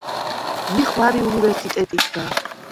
მი ხვა̈რი უნივერსტეტისგა.